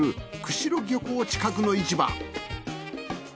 釧路漁港近くの市場